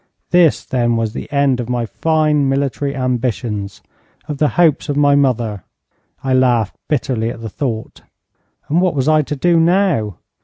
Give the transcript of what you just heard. This, then, was the end of my fine military ambitions of the hopes of my mother. I laughed bitterly at the thought. And what was I to do now?